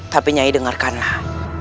tapi nyari dengarkanlah